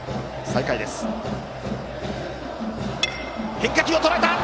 変化球をとらえた！